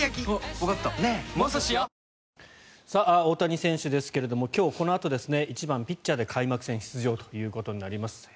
大谷選手ですが今日、このあと１番ピッチャーで開幕戦出場となります。